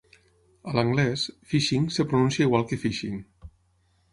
A l'anglès, "phishing" es pronuncia igual que "fishing".